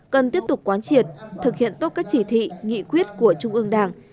cần tiếp tục quán triệt thực hiện tốt các chỉ thị nghị quyết của trung ương đảng